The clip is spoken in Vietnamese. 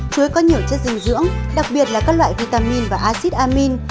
chuối có nhiều chất dinh dưỡng đặc biệt là các loại vitamin và acid amin